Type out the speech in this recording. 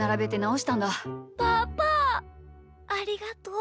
ありがとう。